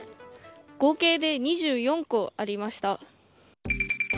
合計で２４個ありました。